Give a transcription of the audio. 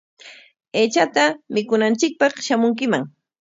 Aychata mikunanchikpaq shamunkiman.